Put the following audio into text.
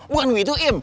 bukan begitu im